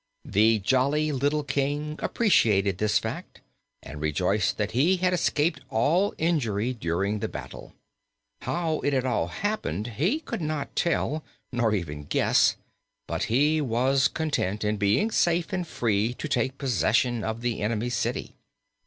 The jolly little King appreciated this fact and rejoiced that he had escaped all injury during the battle. How it had all happened he could not tell, nor even guess, but he was content in being safe and free to take possession of the enemy's city.